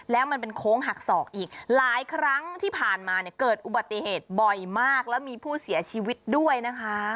แล้วมันเป็นโค้งหักศอกอีกหลายครั้งที่ผ่านมาเนี่ยเกิดอุบัติเหตุบ่อยมากแล้วมีผู้เสียชีวิตด้วยนะคะ